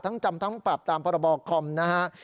ทั้งจำทั้งปรับตามพรบคนะฮะ